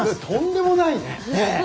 とんでもないね！